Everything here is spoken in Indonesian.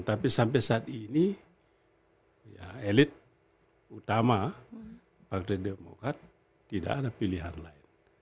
tapi sampai saat ini elit utama partai demokrat tidak ada pilihan lain